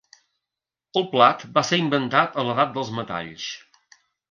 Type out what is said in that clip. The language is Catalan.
El plat va ser inventat a l'edat dels metalls.